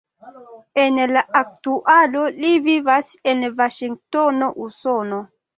En la aktualo li vivas en Vaŝingtono, Usono.